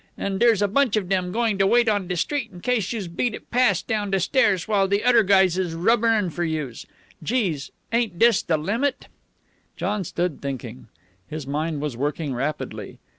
An' dere's a bunch of dem goin' to wait on de street in case youse beat it past down de stairs while de odder guys is rubberin' for youse. Gee, ain't dis de limit!" John stood thinking. His mind was working rapidly.